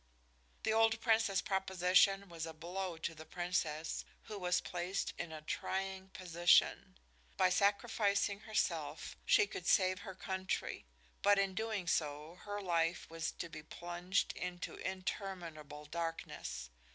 The old Prince's proposition was a blow to the Princess, who was placed in a trying position. By sacrificing herself she could save her country, but in so doing her life was to be plunged into interminable darkness.